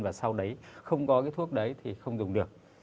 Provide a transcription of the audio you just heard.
và sau đấy không có cái thuốc đấy thì không dùng được